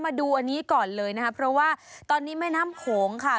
มาดูอันนี้ก่อนเลยนะครับเพราะว่าตอนนี้แม่น้ำโขงค่ะ